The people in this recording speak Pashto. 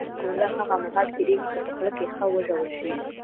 غټه ګوله هغه مهال تېرېږي، چي په خوله کښي ښه وژول سي.